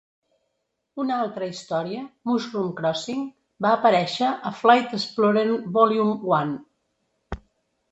Una altra història, "Mushroom Crossing", va aparèixer a "Flight Explorer Volume One".